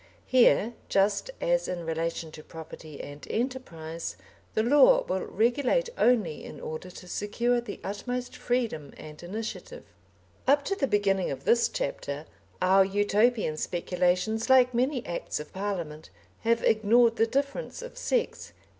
Here, just as in relation to property and enterprise, the law will regulate only in order to secure the utmost freedom and initiative. Up to the beginning of this chapter, our Utopian speculations, like many Acts of Parliament, have ignored the difference of sex.